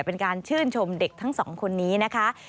เป็นการชื่นชมเด็กทั้งสองคนนี้นะคะ